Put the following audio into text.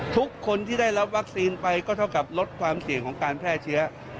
ทุกคนที่ได้รับวัคซีนไปก็เท่ากับลดความเสี่ยงของการแพร่เชื้อ